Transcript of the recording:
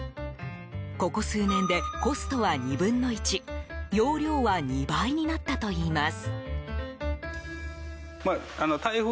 ここ数年で、コストは２分の１容量は２倍になったといいます。